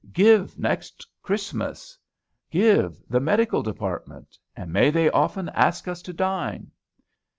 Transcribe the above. "Give 'Next Christmas.'" "Give 'The Medical Department; and may they often ask us to dine!'"